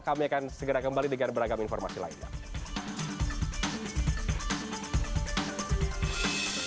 kami akan segera kembali dengan beragam informasi lainnya